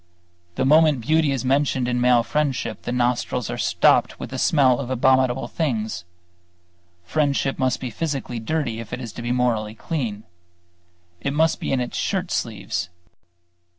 The moment beauty is mentioned in male friendship, the nostrils are stopped with the smell of abominable things. Friendship must be physically dirty if it is to be morally clean. It must be in its shirt sleeves.